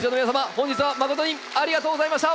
本日は誠にありがとうございました。